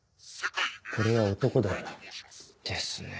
これは男だよな。ですね。